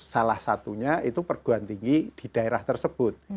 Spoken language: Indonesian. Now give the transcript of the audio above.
salah satunya itu perguruan tinggi di daerah tersebut